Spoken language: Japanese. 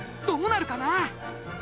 どうなるかな？